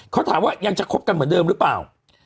เขาถามว่ายังจะคบกันเหมือนเดิมหรือเปล่า